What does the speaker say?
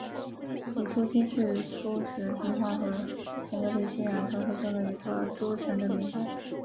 于都斤是突厥神话和腾格里信仰传说中的一座都城的名字。